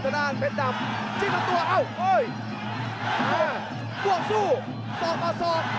ตัวด้านเพชรดำจิ้งทำตัวอ้าวโอ้ยส่วนสู้สอบออกสอบ